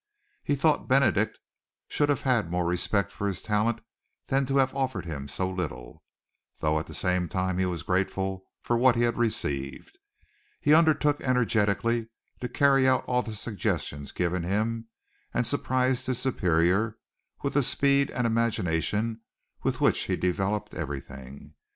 He thought Benedict should have had more respect for his talent than to have offered him so little, though at the same time he was grateful for what he had received. He undertook energetically to carry out all the suggestions given him, and surprised his superior with the speed and imagination with which he developed everything.